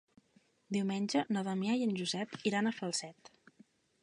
Diumenge na Damià i en Josep iran a Falset.